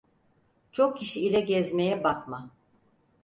Çok kişi ile gezmeye bakma…